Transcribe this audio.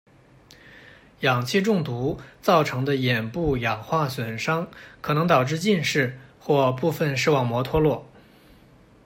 氧气中毒造成的眼部氧化损伤可能导致近视或部分视网膜脱落。